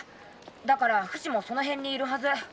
だからフシもその辺にいるはず。